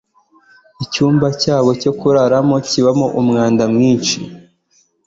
icyumba cyabo cyo kuraramo kibamo umwanda mwishi